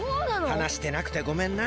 はなしてなくてごめんな。